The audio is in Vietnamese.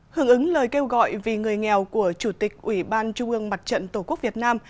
hưởng ứng lời kêu gọi vì người nghèo của chủ tịch ủy ban trung ương mặt trận tổ quốc việt nam